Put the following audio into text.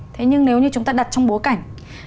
thế nhưng nếu như chúng ta đặt trong bố cảnh